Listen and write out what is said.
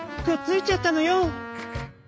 「くっついちゃったのよ！」。